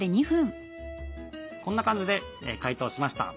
こんな感じで解凍しました。